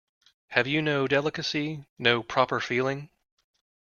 Have you no delicacy, no proper feeling?